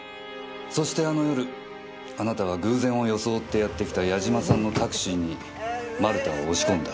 そしてあの夜あなたは偶然を装ってやってきた八嶋さんのタクシーに丸田を押し込んだ。